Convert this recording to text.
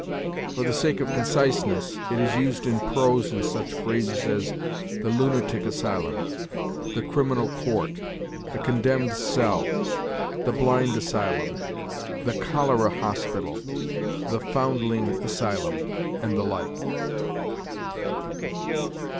For the sake of conciseness, it is used in prose in such phrases as the lunatic asylum, the criminal court, the condemned cell, the blind asylum, the cholera hospital, the foundling asylum, and the like.